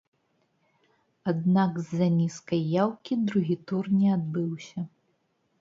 Аднак з-за нізкай яўкі другі тур не адбыўся.